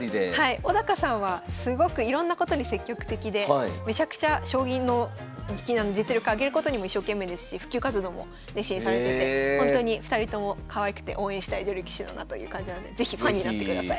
小さんはすごくいろんなことに積極的でめちゃくちゃ将棋の実力上げることにも一生懸命ですし普及活動も熱心にされててほんとに２人ともかわいくて応援したい女流棋士だなという感じなので是非ファンになってください。